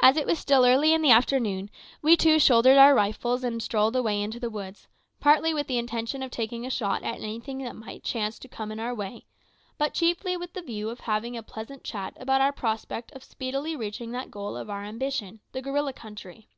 As it was still early in the afternoon, we two shouldered our rifles and strolled away into the woods, partly with the intention of taking a shot at anything that might chance to come in our way, but chiefly with the view of having a pleasant chat about our prospect of speedily reaching that goal of our ambition the gorilla country.